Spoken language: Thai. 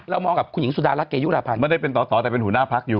มองกับคุณหญิงสุดารัฐเกยุราพันธ์ไม่ได้เป็นสอสอแต่เป็นหัวหน้าพักอยู่